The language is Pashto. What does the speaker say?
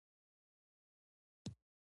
د ننګرهار په بټي کوټ کې د مرمرو نښې شته.